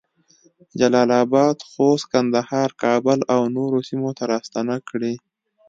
جلال اباد، خوست، کندهار، کابل اونورو سیمو ته راستنه کړې